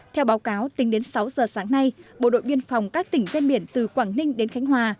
theo báo cáo tính đến sáu giờ sáng nay bộ đội biên phòng các tỉnh ven biển từ quảng ninh đến khánh hòa